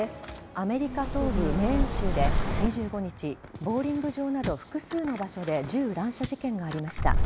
アメリカ東部・メーン州で２５日ボウリング場など複数の場所で銃乱射事件がありました。